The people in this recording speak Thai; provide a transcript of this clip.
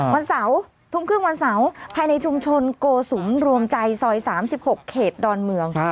วันเสาร์ทุ่มครึ่งวันเสาร์ภายในชุมชนโกสุมรวมใจซอย๓๖เขตดอนเมือง